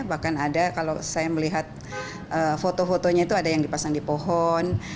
bahkan ada kalau saya melihat foto fotonya itu ada yang dipasang di pohon